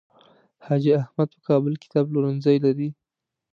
حاجي احمد په کابل کې کتاب پلورنځی لري.